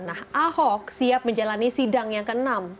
nah ahok siap menjalani sidang yang ke enam